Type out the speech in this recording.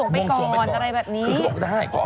เปล่าคือทำไม่เสร็จแต่ทำที่ที่บวงส่วงไปก่อน